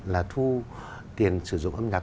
là thu tiền sử dụng âm nhạc